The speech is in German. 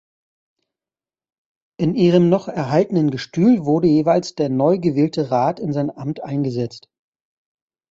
In ihrem noch erhaltenen Gestühl wurde jeweils der neugewählte Rat in sein Amt eingesetzt.